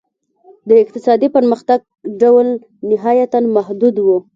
د اقتصادي پرمختګ ډول نهایتاً محدود و.